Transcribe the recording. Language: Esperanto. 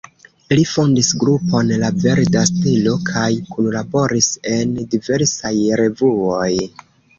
Li fondis grupon la „Verda Stelo“ kaj kunlaboris en diversaj revuoj.